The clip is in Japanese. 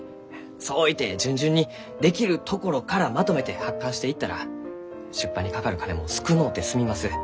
そういて順々にできるところからまとめて発刊していったら出版にかかる金も少のうて済みます。